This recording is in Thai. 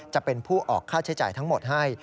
จะเป็นผู้ออกค่าใช้จ่ายทั้งหมดให้